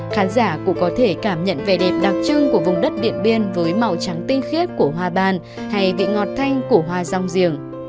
khán giả cũng có thể cảm nhận vẻ đẹp đặc trưng của vùng đất điện biên với màu trắng tinh khiết của hoa ban hay vị ngọt thanh của hoa rong giềng